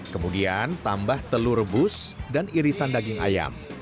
kemudian tambah telur rebus dan irisan daging ayam